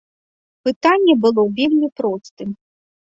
Пытанне было вельмі простым.